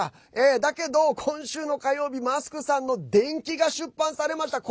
だけど今週の火曜日マスクさんの伝記が出版されました。